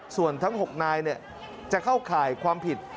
ส่วนทั้ง๖นายจะเข้าข่ายความผิด